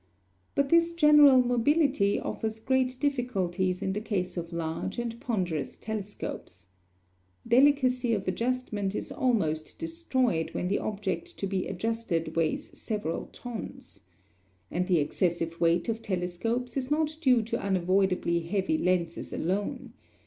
But this general mobility offers great difficulties in the case of large and ponderous telescopes. Delicacy of adjustment is almost destroyed when the object to be adjusted weighs several tons. And the excessive weight of telescopes is not due to unavoidably heavy lenses alone.